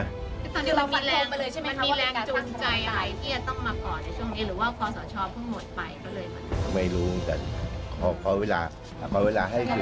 คือเรามีแรงจูงใจอะไรคือมีเราการสร้างสถานการณ์